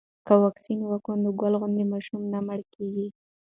که واکسین وکړو نو ګل غوندې ماشومان نه مړه کیږي.